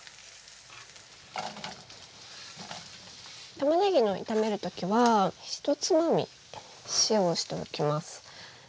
たまねぎを炒める時は１つまみ塩をしておきます。